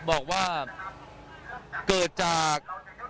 บอกว่าเกิดจาก